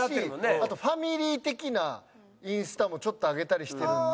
あとファミリー的なインスタもちょっと上げたりしてるんで。